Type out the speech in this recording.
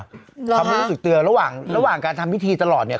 เหรอฮะเขาไม่รู้สึกตัวระหว่างการทำพิธีตลอดเนี่ย